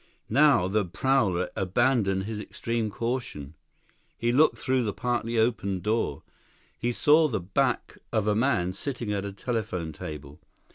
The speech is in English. Now the prowler abandoned his extreme caution. He looked through the partly opened door. He saw the back of a man sitting at a telephone table.